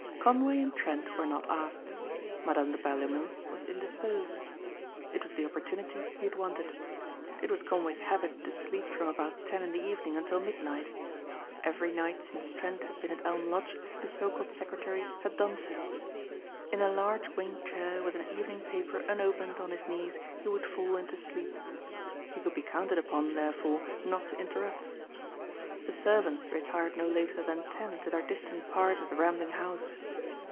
Conway and Trent were not asked. Madame de Berlaymont was indisposed. It was the opportunity he had wanted. It was Conway's habit to sleep from about ten in the evening until midnight. Every night since Trent had been at Elm Lodge the so called secretary had done so. In a large wing chair with an evening paper unopened on his knees he would fall into sleep. He could be counted upon therefore not to interrupt. The servants retired no later than ten to their distant part of the rambling house.